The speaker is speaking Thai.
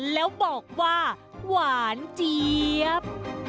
แล้วบอกว่าหวานเจี๊ยบ